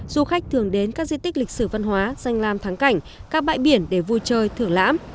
du khách thường đến các di tích lịch sử văn hóa danh lam thắng cảnh các bãi biển để vui chơi thưởng lãm